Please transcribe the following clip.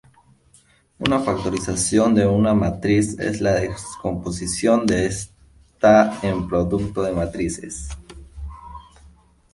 Una factorización de una matriz es la descomposición de esta en producto de matrices.